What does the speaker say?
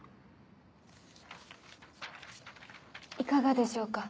いかがでしょうか。